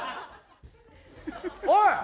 おい！